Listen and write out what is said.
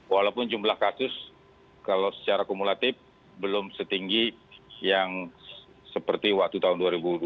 walaupun jumlah kasus kalau secara kumulatif belum setinggi yang seperti waktu tahun dua ribu dua puluh